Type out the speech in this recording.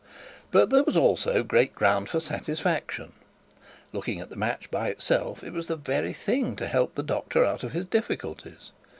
But there was also great ground for satisfaction. Looking at the match by itself, it was the very thing to help the doctor out of his difficulties.